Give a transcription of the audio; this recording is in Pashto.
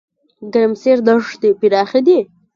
ګرمسیر دښتې پراخې دي؟